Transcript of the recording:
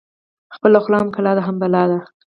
ـ خپله خوله هم کلا ده هم بلا ده.